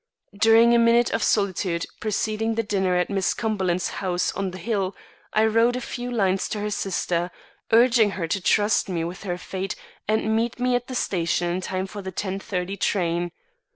During a minute of solitude preceding the dinner at Miss Cumberland's house on the Hill, I wrote a few lines to her sister, urging her to trust me with her fate and meet me at the station in time for the ten thirty train.